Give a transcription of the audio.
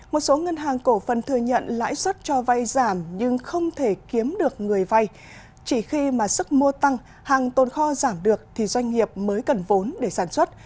một số ngân hàng cổ phần thừa nhận lãi suất cho vay giảm nhưng không thể kiếm được người vay chỉ khi mà sức mua tăng hàng tồn kho giảm được thì doanh nghiệp mới cần vốn để sản xuất